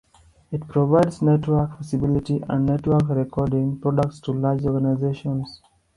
It provides network visibility and network recording products to large organizations.